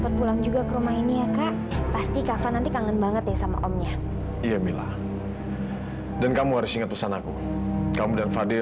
sampai jumpa di video selanjutnya